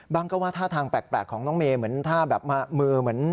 ก็ว่าท่าทางแปลกของน้องเมย์เหมือนท่าแบบมือเหมือน